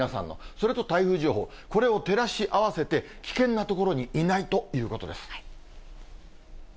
それと台風情報、これを照らし合わせて、危険な所にいないということです。